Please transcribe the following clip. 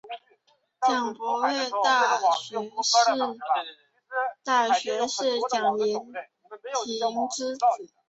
蒋溥为大学士蒋廷锡之子。